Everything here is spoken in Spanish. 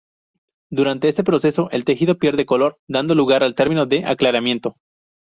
Durante este proceso el tejido pierde color dando lugar al termino de aclaramiento.